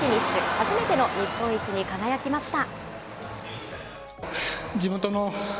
初めての日本一に輝きました。